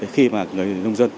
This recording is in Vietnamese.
khi mà người nông dân